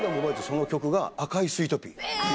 その曲が『赤いスイートピー』。